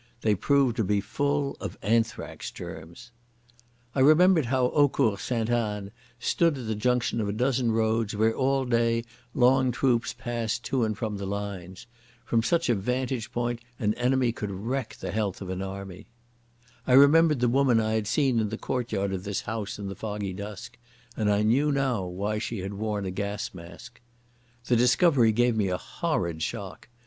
They proved to be full of anthrax germs.... I remembered how Eaucourt Sainte Anne stood at the junction of a dozen roads where all day long troops passed to and from the lines. From such a vantage ground an enemy could wreck the health of an army.... I remembered the woman I had seen in the courtyard of this house in the foggy dusk, and I knew now why she had worn a gas mask. This discovery gave me a horrid shock.